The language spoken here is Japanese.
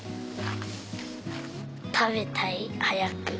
食べたい早く。